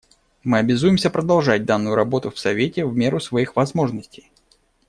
Мы обязуемся продолжать данную работу в Совете в меру своих возможностей.